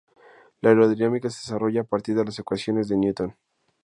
La aerodinámica se desarrolla a partir de las ecuaciones de Newton.